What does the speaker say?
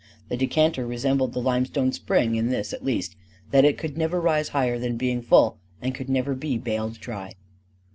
The decanter resembled the limestone spring in this at least: that it could never rise higher than being full and could never be baled dry.